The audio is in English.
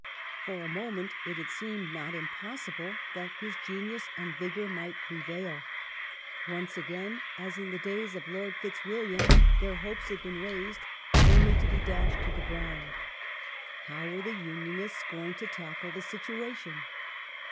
For a moment it had seemed not impossible that his genius and vigour might prevail. Once again, as in the days of Lord Fitzwilliam, their hopes had been raised only to be dashed to the ground. How were the Unionists going to tackle the situation